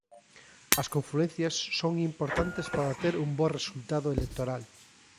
A confluencias son importantes para obter un bo resultado electoral.